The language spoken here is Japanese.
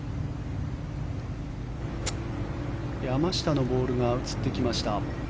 山下のボールが映ってきました。